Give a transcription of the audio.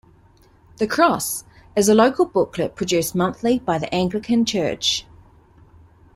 "The Cross" is a local booklet produced monthly by the Anglican church.